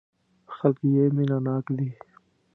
خلک یې مینه ناک دي.